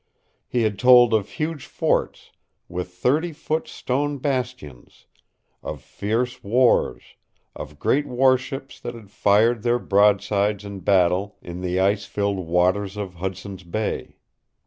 He had told of huge forts with thirty foot stone bastions, of fierce wars, of great warships that had fired their broadsides in battle in the ice filled waters of Hudson's Bay.